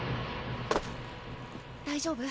大丈夫？